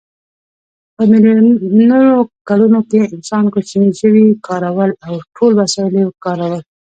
په میلیونو کلونو کې انسان کوچني ژوي ښکارول او ټول وسایل یې کارول.